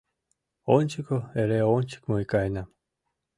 Ончыко, эре ончык мый каенам.